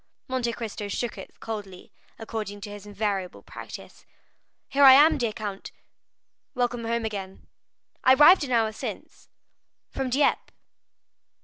Monte Cristo shook it coldly, according to his invariable practice. "Here I am, dear count." "Welcome home again." "I arrived an hour since." "From Dieppe?"